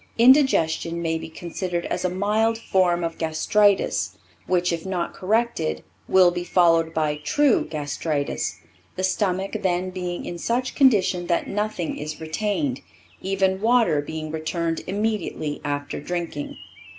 Indigestion may be considered as a mild form of gastritis, which if not corrected, will be followed by true gastritis, the stomach then being in such condition that nothing is retained, even water being returned immediately after drinking.